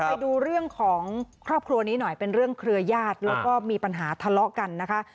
ไปดูเรื่องของครอบครัวนี้หน่อยเป็นเรื่องเครือญาติแล้วก็มีปัญหาทะเลาะกันนะคะ